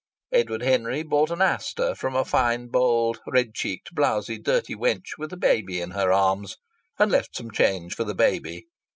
Edward Henry bought an aster from a fine bold, red cheeked, blowsy, dirty wench with a baby in her arms, and left some change for the baby.